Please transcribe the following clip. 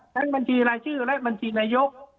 บัญชีรายชื่อและบัญชีนายก